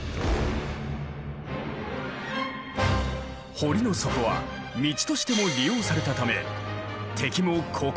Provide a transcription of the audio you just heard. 堀の底は道としても利用されたため敵もここを通って攻めてくる。